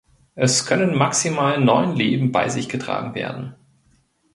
Es können maximal neun Leben bei sich getragen werden.